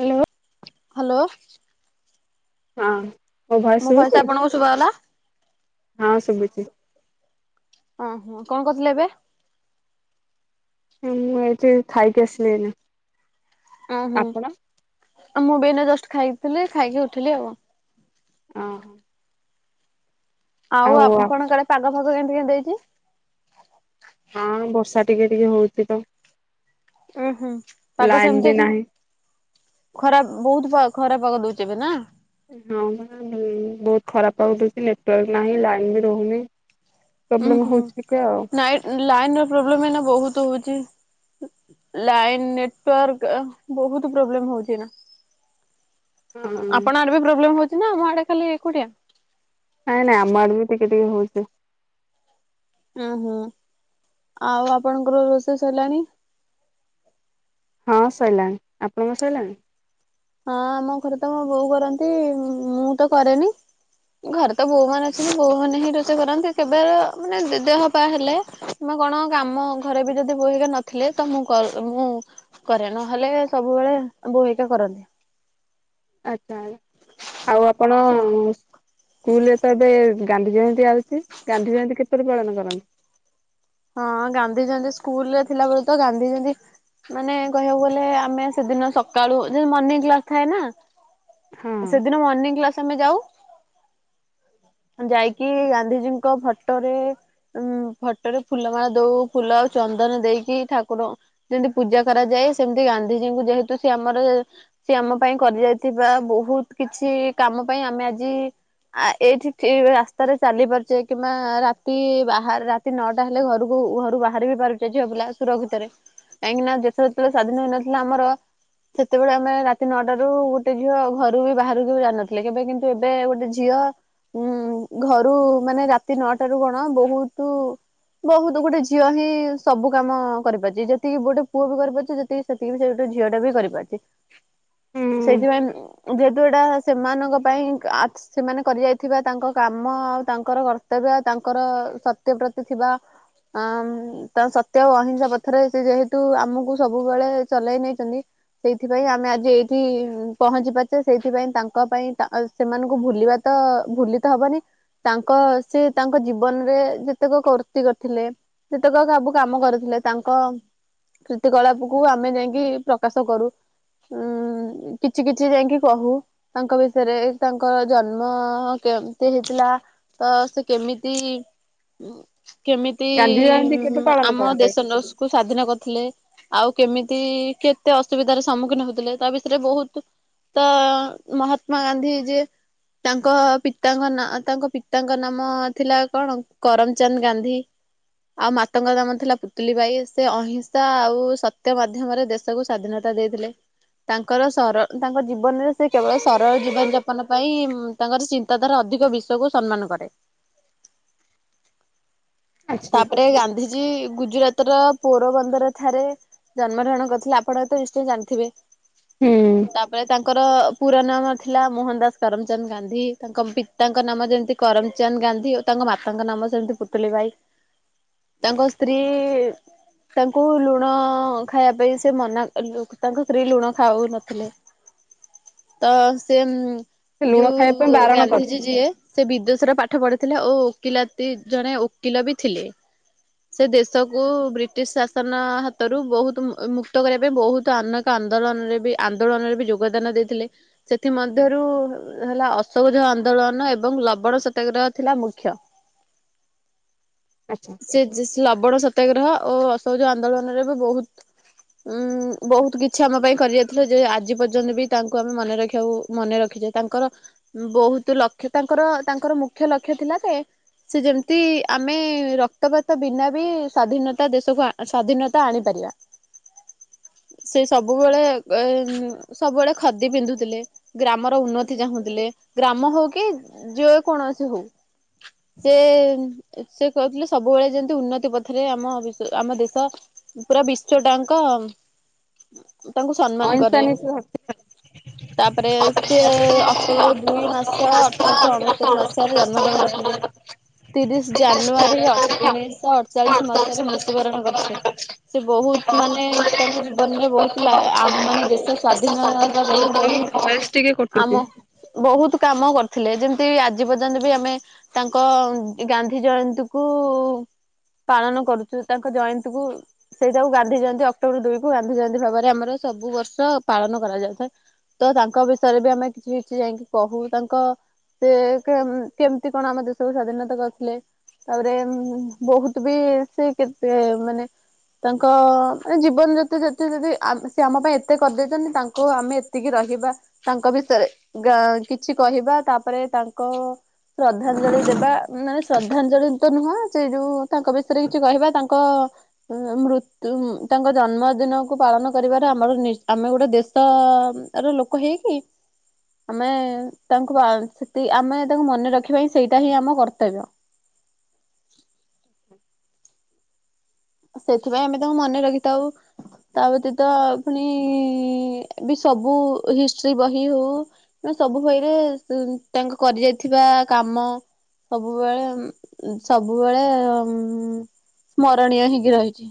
Hello hello. ହଁ। ମୋ voice ଆପଣଙ୍କୁ ଶୁଭାଗଲା। ହଁ ସବୁଚି। ଓହୋ କଣ କରୁଥିଲେ ଏବେ। ମୁଁ ଯାଇକି ଖାଇକି ଆସିଲି ଏଇନା। ଓହୋ ଆପଣ ଆଉ ମୁଁ ବିଇନା ଜଷ୍ଟ ଖାଇଥିଲି ଖାଇକି ଉଠଥିଲି ଆଉ। ଓହୋ। ଆଉ ଆପଣ କାଳେ ପାଗ ଫାଗ କେମିତି କେ ଦେଇଛି। ହଁ ବର୍ଷା ଟିକେ ଟିକେ ହଉଛି ତ। ଓ ହୁଁ ପାଗ ଲାଇନ ସେମିତି ବି ଅଛ ନାହିଁ ଖରାପ ବହୁତ ଖରାପ ପାଗଦଉଛ ଏବେ ନା। ହଁ ମ୍ୟାମ ବହୁତ ଖରାପ ପାଉଉଛି ନେଟୱାର୍କ ନାହିଁ ଲାଇନ୍ ବି ରହୁନି। ଉ ପ୍ରୋବ୍ଲେମ ହୁଁ ହଉଛି ଟିକେ ଆଉ ହଁ ଲାଇନ ର ପ୍ରୋବ୍ଲେମ ଏଇନା ବହୁତ ହଉଛି। ଲାଇନ ନେଟୱାର୍କ ବହୁତ ପ୍ରୋବ୍ଲେମ ହଉଛି ଏଇନା। ହଁ ଆପଣ ଆଡେ ବି ପ୍ରୋବ୍ଲେମ ହଉଛି ନା ମୋ ଆଡେ ଖାଲି ଏକୁଟିଆ। ନାଇଁ ନାଇଁ ଆମ ଆଡ ବି ଟିକେ ଟିକେ ହଉଛି। ଓହୋ ଆଉ ଆପଣଙ୍କର ରୋଷେଇ ସରିଲାଣି। ହଁ ସରିଲାଣି ଆପଣଙ୍କ ସରିଲାଣି? ହଁ ଆମ ଘରେ ତ ମୋ ବୋଉ କରନ୍ତି ମୁଁ ତ କରେନି। ଘରେ ତ ବୋଉ ମାନ ଅଛନ୍ତି ବୋଉମାନୋନ ହିଁ ରୋଷେଇ କରନ୍ତି କେବେ ମାନେ ଦେହ ବା ହେଲେ। ମୁଁ କଣ କାମ ଘରେ ବି ଯଦି ବୋହିକ ନଥିଲେ ତ ମୁଁ ମୁଁ କରିବା ନହେଲେ ସବୁବେଳେ ବୋଲେ ମୁ ଏକା କରନ୍ତି। ଆଚ୍ଛା ଆଉ ଆପଣ ସ୍କୁଲରେ ତ ଏବେ। ଗାନ୍ଧୀ ଜୟନ୍ତୀ ଆଉଛି ଗାନ୍ଧୀ ଜୟନ୍ତୀ କେବେଳେ ପାଳନ କରନ୍ତି? ହଁ ଗାନ୍ଧୀଜୟନ୍ତୀ ସ୍କୁଲ ରେ ଥିଲା ବଳେ ତ ଗାନ୍ଧୀ ଜୟନ୍ତୀ ମାନେ କହିବାକୁ ଗଲେ ଆମେ ସେଦିନ ସକାଳୁ ଯେ ମର୍ଣିଂ କ୍ଲାସ ଥାଏ ନା। ହଁ ସେଦିନ ମର୍ଣିଂ କ୍ଲାସ ଆମେ ଯାଉ। ଯାଇକି ଗାନ୍ଧିଜୀଙ୍କ ଫଟୋରେ ଉ ଏଟେ ଫୁଲମାଳ ଦଉ ଫୁଲ ଆଉ ଚନ୍ଦନ ଦେଇକି ଠାକୁର। ଯେମିତି ପୂଜା କରାଯାଏ ସେମିତି ଗାନ୍ଧିଜୀଙ୍କୁ ଯେହେତୁ ସେ ଆମର ସେ ଆମ ପାଇଁ କରି ଯାଇଥିବା ବହୁତ କିଛି କାମ ପାଇଁ ଆମେ ଆଜି ଆ ଏଇଠି ରାସ୍ତାରେ ଚାଲି ପାରୁଛେ କିମ୍ବା ରାତି ବାହାରେ ନଅଟା ହେଲେ ଘରକୁ ଘରୁ ବାହାରି ବିି ପାରୁଛେ ଝିଅ ପିଲା ସୁରକ୍ଷିତରେ। କାହିଁକି ନା ଯେତ ସ୍ୱାଧୀନ ହେଇନଥିଲା ଆମର ସେତେବେଳେ ଆମେ ରାତି ନଅଟ ର ଗୋଟେ ଝିଅ ଘରୁ ବି ବାହାରକୁ ଜାିନଥିଲେ କେବେ କିନ୍ତୁ ଏବେ ଗୋଟେ ଝିଅ। ହୁଁ ଘରୁ ମାନେ ରାତି ନଅଟାରୁ କଣ ବହୁତୁ ବହୁତ ଗୋଟେ ଝିଅ ହିଁ ସବୁ କାମ କରିପାରୁଛି ଯେତିକି ଗୋଟେ ପୁଅ ବି କରିପାରୁଛି ଯେତିକି ସେତିକି ସେ ଗୋଟେ ଝିଅ ଟା ବି କରିପାରୁଛି ହୁଁ ସେଇଥିପାଇଁ ଯେହେତୁ ଏଇଟା ସେମାନଙ୍କ ପାଇଁ ସେମାନେ କରି ଯାଇଥିବା ତାଙ୍କ କାମ ଆଉ ତାଙ୍କର କର୍ତ୍ତବ୍ୟ ତାଙ୍କର ସତ୍ୟ ପ୍ରତି ଥିବା ଆଁ ତା ସତ୍ୟ ଓ ଅହିଂସା ପଥରେ ସେ ଯେହେତୁ ଆମକୁ ସବୁବେଳେ ଚଲେଇ ନେଇଛନ୍ତି। ସେଇଥିପାଇଁ ଆମେ ଆଜି ଏଇଠି ପହଞ୍ଚି ପାରୁଛେ ସେଇଥିପାଇଁ ତାଙ୍କ ପାଇଁ ତା ସେମାନଙ୍କୁ ଭୁଲିବା ତ ଭୁଲି ତ ହବନି ତାଙ୍କ ସେ ତାଙ୍କ ଜୀବନରେ ଯେ କେତେକ କୁରତ୍ତି କରିଥିଲେ ସେତେକ ସବୁ କାମ କରୁଥିଲେ ତାଙ୍କ କୀତିକଳାପ କୁ ଆମେ ଯାଇକି ପ୍ରକାଶ କରୁ ଉଁ କିଛି କିଛି ଯାଇକି କହୁ। ତାଙ୍କ ବିଷୟରେ ତାଙ୍କ ଜନ୍ମ କେମିତି ହେଇଥିଲା। ତ ସେ କେମିତି କେମିତି ଗାନ୍ଧୀ ଜୟନ୍ତୀ କେବେ ପାଳନ ଆମ କରାଯାଏ ଦେଶକୁୁ ସ୍ଵାଧୀନ କରିଥିଲେ? ଆଉ କେମିତି କେତେ ଅସୁବିଧାର ସମ୍ମୁଖୀନ ହଉଥିଲେ ତା ବିଷୟରେ ବହୁତ ତ ମହାତ୍ମା ଗାନ୍ଧୀ ଯେ ତାଙ୍କ ପିତାଙ୍କ ନା ତାଙ୍କ ପିତାଙ୍କ ନାମ ଥିଲା କଣ? କରମଚାନ୍ଦ ଗାନ୍ଧୀ। ଆଉ ମାତାଙ୍କର ନାମ ଥିଲା ପୁତଲି ବାଇ ସେ ଅହିଂସା ଆଉ ସତ୍ୟ ମାଧ୍ୟମରେ ଦେଶ ସ୍ୱାଧୀନତା ଦେଇଥିଲେ। ତାଙ୍କର ସର ତାଙ୍କ ଜୀବନରେ ସେ କେବଳ ସରଳ ଜୀବନ ଯାପନ ପାଇଁ ତାଙ୍କର ଚିନ୍ତାଧାରା ଅଧିକ ବିଶ୍ୱକୁୁ ସମ୍ମାନ କରେ। ଆଚ୍ଛା ତାପରେ ଗାନ୍ଧିଜୀ ଗୁଜୁରଟ ର ପୋର ବନ୍ଦର ଠାରେ ଜନ୍ମ ଗ୍ରହଣ କରିଥିଲେ ଆପଣ ତ ନିଶ୍ଚୟ ଜାଣିଥିବେ? ହୁଁ ମାନେ ତାଙ୍କର ପୁର ନାମ ଥିଲା ମୋହନ ଦାସ କରମଚାନ୍ଦ ଗାନ୍ଧୀ ତାଙ୍କ ପିତାଙ୍କ ନାମ ଯେମିତି କରମଚନ୍ଦ ଗାନ୍ଧୀ ଓ ତାଙ୍କ ମାତାଙ୍କ ନାମ ସେମିତି ପୁତୁଲି ଭାଇ। ତାଙ୍କ ସ୍ତ୍ରୀ ତାଙ୍କୁ ଲୁଣ ଖାଇବା ପାଇଁ ସେ ମନା ତାଙ୍କ ସ୍ତ୍ରୀ ଲୁଣ ଖାଉନଥିଲେ। ତ ସେ ଲୁଣ ଖାଇବା ପାଇଁ ଯୋଉ ବାରଣ ଗାନ୍ଧିଜୀ କରିଥିଲେ ଯିଏ ସେ ବିଦେଶର ପାଠ ପଢିଥିଲେ ଓ ଓକିଲାତୀ ଜଣେ ଓକିଲ ବି ଥିଲେ। ସେ ଦେଶକୁ ବ୍ରିଟିଶ ଶାସନ ହାତରୁ ବହୁତ ମୁକ୍ତ କରିବା ପାଇଁ ବହୁତ ଆନ ଆନ୍ଦୋଳନରେ ବି ଆନ୍ଦୋଳନରେ ବି ଯୋଗଦାନ ଦେଇଥିଲେ। ସେଥି ମଧ୍ୟରୁ ହେଲା ଅସହଯୋଗ ଆନ୍ଦୋଳନ ଏବଂ ଲବଣ ସତ୍ୟାଗ୍ରହ ଥିଲା ମୁଖ୍ୟ। ଆଚ୍ଛା। ସେ ଲବଣ ସତ୍ୟାଗ୍ରହ ଓ ଅସୌଜ ଆନ୍ଦୋଳନରେ ବି ବହୁତ ଉଁ ବହୁତ କିଛି ଆମ ପାଇଁ କରି ଯାଇଥିଲା ଯେ ଆଜି ପର୍ଯ୍ୟନ୍ତ ବି ତାଙ୍କୁ ଆମେ ମନେ ରଖିବାକୁ ମନେ ରଖିଛେ ତାଙ୍କର। ବହୁତ ଲକ୍ଷ୍ୟ ତାଙ୍କର ତାଙ୍କର ମୁଖ୍ୟ ଲକ୍ଷ୍ୟ ଥିଲା ଯେ ସେ ଯେମିତି ଆମେ ରକ୍ତପାତ ବିନା ବି ସ୍ଵାଧୀନତା ଦେଶକୁ ସ୍ଵାଧୀନତା ଆଣିପାରିବା। ସେ ସବୁବେଳେ ଏ ସବୁବେଳେ ଖଦି ପିନ୍ଧୁଥିଲେ। ଗ୍ରାମର ଉନ୍ନତି ଚାହୁଁଥିଲେ। ଗ୍ରାମ ହଉ କି ଯେ କୌଣସି ହଉ ସେ ସେ କହୁଥିଲେ ସବୁବେଳେ ଯେମତି ଉନ୍ନତି ପଥରେ ଆମ ଆମ ଦେଶ ପୁରା ବିଶ୍ଵ ଟାଙ୍କ ତାଙ୍କୁ ସମ୍ମାନ ଅହିଂସା କରେ। ନୀତି ଘ ତାପରେ ସେ ଅକ୍ଟୋବର ଦୁଇ ମାସ ଅଠରଶହ ଅଣସ୍ତରୀ ମସି ଜନ୍ମ ଗ୍ରହଣ କରିଥିଲେ। ତିରିଶ ଜାନୁଆରୀ ଉଣେଇଶହ ଅଠଚାଳିଶ ମସିହାରେ ମୃତ୍ୟୁବରଣ କରିଥିଲେ। ସେ ବହୁତ ମାନେ ତାଙ୍କ ଜୀବନରେ ବହୁତ ମାନେ ଦେଶ ସ୍ୱା [unintelligible] ପାଇଁ ବହୁତ ଭଏସ ଟିକେ କଟୁଛି ଆମ ବହୁତ କାମ କରିଥିଲେ ଯେମିତି ଆଜି ପର୍ଯ୍ୟନ୍ତ ବି ଆମେ ତାଙ୍କ ଗା ଗାନ୍ଧୀ ଜୟନ୍ତୀ କୁ ପାଳନ କରୁଛୁ। ତାଙ୍କ ଜୟନ୍ତୀ କୁ ସେଇଟାକୁ ଗାନ୍ଧି ଜୟନ୍ତୀ ଅକ୍ଟୋବର ଦୁଇ କୁ ଗାନ୍ଧି ଜୟନ୍ତୀ ଭାବରେ ଆମର ସବୁ ବର୍ଷ ପାଳନ କରାଯାଉଥାଏ। ତ ତାଙ୍କ ବିଷୟରେ ବି ଆମେ କିଛି କିଛି ଯାଇକି କହୁ। ତାଙ୍କ ସେ କେ-କେମିତି କଣ ଆମ ଦେଶକୁ ସ୍ଵାଧୀନତା କରିଥିଲେ? ତାପରେ ବହୁତ ବି ସେ କେତେ ମାନେ ତାଙ୍କ ମାନେ ଜୀବନ ଜାତ ଜତେ ଯଦି ସେ ଆମ ପାଇଁ ଏତେ କରିଦେଇଛନ୍ତି ତାଙ୍କୁ ଆମେ ଏତିକି ରହିବା ତାଙ୍କ ବିଷୟରେ ଗ କିଛି କହିବା ତାପରେ ତାଙ୍କ ଶ୍ରଦ୍ଧାଞ୍ଜଳି ଦେବା। ମାନେ ଶ୍ରଦ୍ଧାଞ୍ଜଳି ତ ନୁହଁ ସେ ଯୋଉ ତାଙ୍କ ବିଷୟରେ କିଛି କହିବା ତାଙ୍କ ମୃତ୍ୟୁ ତାଙ୍କ ଜନ୍ମଦିନକୁ ପାଳନ କରିବାର ଆମର ଆମେ ଗୋଟେ ଦେଶ ତାର ଲୋକ ହେଇକି ଆମେ ତାଙ୍କୁ ସେ ଆମେ ତାଙ୍କୁ ମନେ ରଖିବା ପାଇଁ ସେଇଟା ହିଁ ଆମ କର୍ତ୍ତବ୍ୟ। ସେଥିପାଇଁ ଆମେ ତାଙ୍କୁ ମନେ ରଖିଥାଉ। ତା ବ୍ୟତୀତ ପୁଣି ବି ସବୁ ହିଷ୍ଟ୍ରି ବହି ହଉ। ହଁ ସବୁ ବହି ରେ ସେ ତାଙ୍କ କରି ଯାଇଥିବା କାମ। ସବୁବେଳେ ସବୁବେଳେ ଉ ସ୍ମରଣୀୟ ହେଇକି ରହିଛି।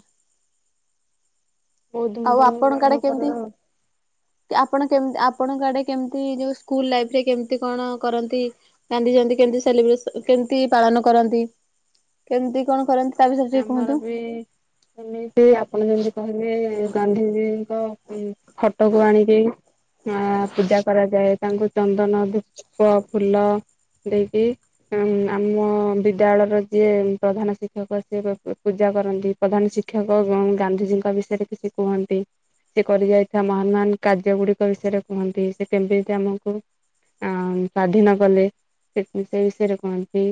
ବହୁତ ଆଉ ଧୁମଧାମରେ ଆପଣଙ୍କ ଆଡେ ପାଳନ କର କେମିତି? ଆପଣ କେମ୍ ଆପଣଙ୍କ ଆଡେ କେମିତି ଯୋଉ ସ୍କୁଲ ଲାଇଫ୍ ରେ କେମିତି କଣ କରନ୍ତି? ଗାନ୍ଧୀ ଜୟନ୍ତୀ କେମିତି ସେଲିବ୍ରେସ କେମିତି ପାଳନ କରନ୍ତି କେମତି କଣ କରନ୍ତି। ତା ବିଷୟରେ ଟିକେ ଆମର କୁହନ୍ତୁ ବି ସେମିତି ଆପଣ ଯେମିତି କହିଲେ ଗାନ୍ଧିଜୀ ଙ୍କ ଫଟୋକୁ ଆଣିଦେଇ, ଅଁ ପୂଜା କରାଯାଏ। ତାଙ୍କୁ ଚନ୍ଦନ ଧୂପ୍ ଫୁଲ ଦେଇକି ଉ ଆମ ବିଦ୍ୟାଳୟର ଯିଏ ପ୍ରଧାନ ଶିକ୍ଷକ। ବର୍ଷେ ବର୍ଷେ ପୂଜା କରନ୍ତି ପ୍ରଧାନ ଶିକ୍ଷକ ଗ ଗାନ୍ଧିଜୀଙ୍କ ବିଷୟରେ କିଛି କୁହନ୍ତି। ସେ କରି ଯାଇଥିବା ମହାନ ମାନ କାର୍ଯ୍ୟ ଗୁଡିକ ବିଷୟରେ କୁହନ୍ତି ସେ କେମିତି ଆମକୁ ଆ ସ୍ଵାଧୀନ କଲେ। ସେ ବିଷୟରେ କହନ୍ତି।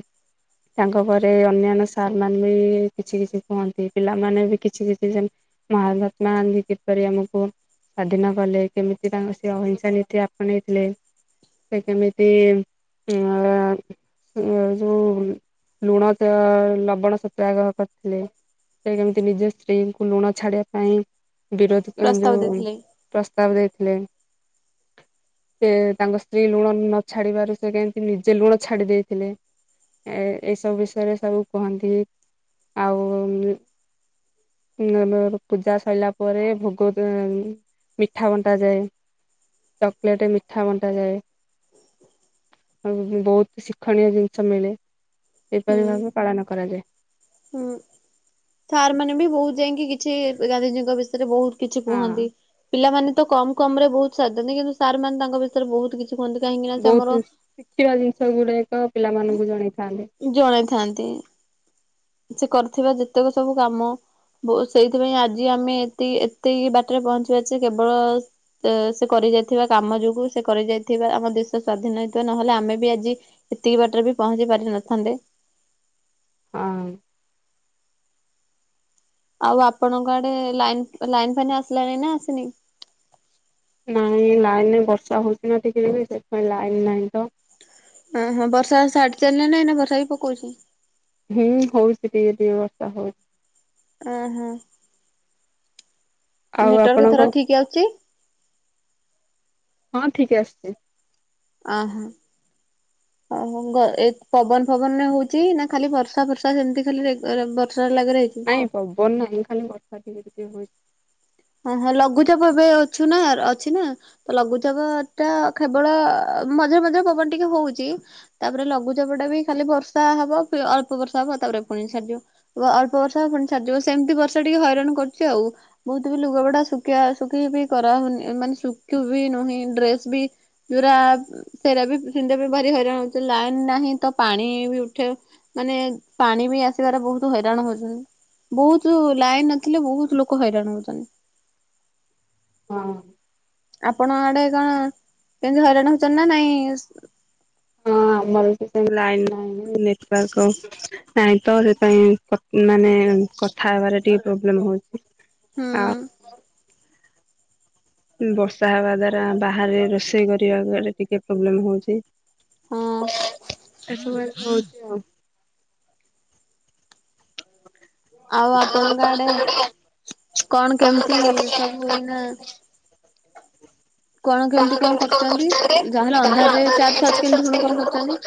ତାଙ୍କ ଘରେ ଅନ୍ୟାନ୍ୟ ସାର ସେମାନେ ବି କିଛି କିଛି କୁହନ୍ତି ପିଲାମାନେ ବି କିଛି କିଛି ସେମ ମହାତ୍ମାଗାନ୍ଧୀ କିପରି ଅମକୁ ସ୍ଵାଧୀନ କଲେ କେମିତି ତାଙ୍କ ସେ ଅହିଂସା ନୀତି ଆପଣେଇଥିଲେ। ସେ କେମିତି ଅ ଅ ଯଉ ଲୁଣ ତ ଲଵ ବଣ ସତ୍ୟାଗ୍ରହ କରିଥିଲେ। ସେ କେମିତି ନିଜ ସ୍ତ୍ରୀଙ୍କୁ ଲୁଣ ଛାଡିବା ପାଇଁ ବିରୋଧ ପ୍ରସ୍ତାବ ଯୋଉ ଦେଇଥିଲେ। ପ୍ରସ୍ତାବ ଦେଇଥିଲେ। ସେ ତାଙ୍କ ସ୍ତ୍ରୀ ଲୁଣ ନ ଛାଡ଼ିବାରୁ ସେ କେମତି ନିଜେ ଲୁଣ ଛାଡ଼ି ଦେଇଥିଲେ। ଏ ଏଇସବୁ ବିଷୟରେ ସବୁ କୁହନ୍ତି ଆଉ ପୂଜା ସରିଲା ପରେ ଭୋଗ ମ୍ ମିଠା ବଣ୍ଟ ଯାଏ ଚକଲେଟେ ମିଠା ବଣ୍ଟା ଯାଏ। ହୁଁ ହୁଁ ବହୁତ ଶିକ୍ଷଣୀୟ ଜିନିଷ ମିଳେ। ହୁଁ ଏପରି ଭାବେ ପାଳନ କରାଯାଏ। ହୁଁ ସାର୍ ମାନେ ବି ବହୁତ ଯାଇକି କିଛି ଗାନ୍ଧିଜୀଙ୍କ ବିଷୟ ବହୁତ କିଛି ହଁ କୁହନ୍ତି। ପିଲାମାନେ ତ କମ କମ ରେ ବହୁତ ସାଧନ୍ତି କିନ୍ତୁ ସାର୍ ମାନ ତାଙ୍କ ବିଷୟରେ ବହୁତ କିଛି କିଛି କୁହନ୍ତି କାଇଁକି ବହୁତ ଶିଖିବା ଜିନିଷ ଗୁଡାକ ପିଲା ମାନଙ୍କୁ ଜଣେଇଥାନ୍ତି। ଜଣେଇଥାନ୍ତି। ସେ କରିଥିବା ଯେତେକ ସବୁ କାମ- ବୋଉ ସେଇଥିପାଇଁ ଆଜି ଆମେ ଏତି ଏତିକି ବାଟରେ ପହଞ୍ଚିବାରଛେ କେବଳ ସେ କରି ଯାଇଥିବା କାମ ଯୋଗୁ ସେ କରି ଯାଇଥିବା ଆମ ଦେଶ ସ୍ଵାଧୀନ ହେଇଥିବା ନହେଲେ ଆମେ ବି ଆଜି ଏତିକି ବାଟରେ ବି ପହଞ୍ଚି ପାରିିନଥାନ୍ତେ। ହଁ। ଆଉ ଆପଣଙ୍କ ଆଡ଼େ ଲାଇ ଲାଇନ ଫାଇନ ଆସିଲାଣି ନା ଆସିନି। ନାଇଁ ଲାଇନ ବର୍ଷା ହଉଛି ନା ଟିକି ତ ସେଥିପାଇଁ ଲାଇନ ନାହିଁ ତ। ଓହୋ ବର୍ଷା ଛାଡି ଚାଲିଲେ ନାଇଁ ନା ବର୍ଷା ବି ପକୋଉଛି? ହୁଁ ହଉଛି ଟିକେ ଟିକେ ବର୍ଷା ହଉଛି। ଓ ହୋ। ଆଉ ଆପଣଙ୍କ ହଁ ଠିକ ଆସୁଛି। ଅ ହୋ। ଓହୋ ଏ ଗ ପବନ ଫବନ ହଉଛି ନା ଖାଲି ବର୍ଷା ଫର୍ଷା ସେମିତି ଖାଲି ରେ ଗ ରେ ବର୍ଷା ଲାଗି ରହିଛି? ନାଇଁ ପବବ ନାହିଁ ଖାଲି ବର୍ଷା ଟିକେ ଟିକେ ହଉଚି। ହଁ ହଁ ଲଘୁଚାପ ଏବେ ଅଛୁ ନା ଅଛି ନା। ତ ଲଘୁଚାପ ଟା କେବଳ ମଝିରେ ମଝିରେ ପବନ ଟିକେ ହଉଛି। ତାପରେ ଲଘୁଚାପଟ ଟା ବି ଖାଲି ବର୍ଷା ହବ ଅଳ୍ପ ବର୍ଷା ହବ ତାପରେ ପୁଣି ସାରିଯିବ। ଅଳ୍ପ ବର୍ଷା ପୁଣି ଛାଡିଜିବ ସେମିତି ବର୍ଷା ଟିକେ ହଇରାଣ କରୁଛି ଆଉ। ଏତେ ବି ଲୁଗାପଟା ଶୁଖିବା ଶୁଖି ବି କରାହଉନି ମାନେ ଶୁଖୁ ବିି ନୁହିଁ ଡ୍ରେସ ବି ଯୌରା ସେଟା ପିନ୍ଧିବାକୁ ଭାରି ହଇରାଣ ହଉଚନ୍ତି ଲାଇନ ନାହିଁ ତ ପାଣି ବି ଉଠେ ମାନେ ପାଣି ବି ଆସିବାରେ ବହୁତ ହଇରାଣ ହଉଛନ୍ତି। ବହୁତ୍ ଲାଇନ ନଥିଲେ ବହୁତ୍ ଲୋକ ହଇରାଣ ହ ହଁ। ଆପଣ ଆଡେ କଣ ଏମ୍ ତି ହଇରାଣ ହଉଛନ୍ତି ନା ନାଇଁ? ହଁ ଆମର ଲାଇନ ନାଇ ନେଟୱାର୍କ ନାଇଁ ତ ସେପାଇ ମାନେ କଥା ହେବାରେ ଟିକେ ପ୍ରୋବ୍ଲେମ ହଉଛି। ହୁଁ ହ [unintelligible] ବର୍ଷା ହେବା ଦ୍ୱାରା ବାହାରେ ରୋଷେଇ କରିବାରେ ଟିକେ ପ୍ରୋବ୍ଲେମ୍ ହଉଛି। ହଁ [unintelligible] ହଉଛି ଆଉ ଆଉ ଆପଣଙ୍କ ଆଡ଼େ କଣ କେମିତି ସବୁ ଏଇନା କଣ କେମିତି କଣ କରୁଛନ୍ତି ଯାହାହେଲେ ଅନ୍ଧାରରେ ଚର୍ଜ ଫାର୍ଜ କେମିତି ହୁଣ କଣ କରୁଛନ୍ତି?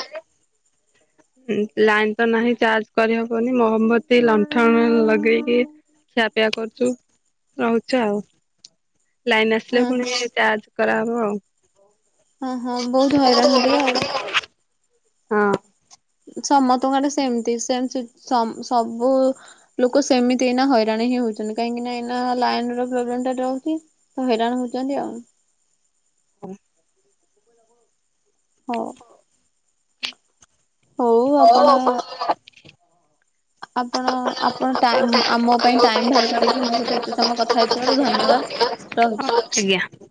ଲାଇନ୍ ତ ନାହିଁ ଚାର୍ଜ କରିହବନି ମହମବତି ଲଣ୍ଠନ ଲଗେଇକି ଖିଆପିଆ କରୁଛୁ। ରହୁଛୁ ଆଉ। ଲାଇନ ଆସିଲ ହଁ ହଁ ପୁଣି ଚାର୍ଜ କରାହେବ ଆଉ। ହଁ ହଁ ବହୁତ ହଇରାଣ ହଉଥିବେ ଆଉ। ହଁ। ସମସ୍ତେ ଖାଲି ସେମିତି। ସେମ୍ ତି ସମ୍ ସବୁ ଲୋକ ସେମିତି ଏଇନା ହଇରାଣ ହିଁ ହଉଛନ୍ତି କାହିଁକି ନା ଏଇନା ଲାଇନ ପ୍ରବ୍ଲେମ ଟା ରହୁଛି। ହଇରାଣ ହଉଛନ୍ତି ଆଉ ହ। ହଉ। ହଉ ଆପଣ ହଁ ଆପଣ ଆପଣ ଟାଇମ୍ ଆମ ପାଇଁ ଟାଇମ ବାହାର କରକି ମୋ ସହିତ ଏତେ ସମୟ କଥା ହେଇଥିବାରୁ ଧନ୍ୟବାଦ। ରହୁଛି। [unintelligible] ଆଜ୍ଞା